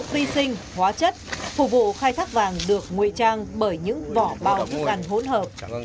phục vụ khai thác vàng được nguy trang bởi những vỏ bào thức ăn hỗn hợp